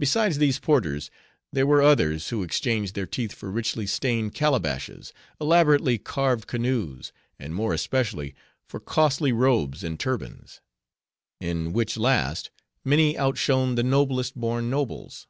Besides these porters, there were others, who exchanged their teeth for richly stained calabashes, elaborately carved canoes, and more especially, for costly robes, and turbans; in which last, many outshone the noblest born nobles.